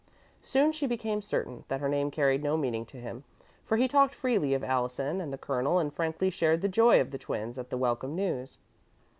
Soon she became certain that her name carried no meaning to him, for he talked freely of Allison and the Colonel and frankly shared the joy of the twins at the welcome news.